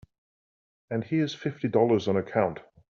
And here's fifty dollars on account.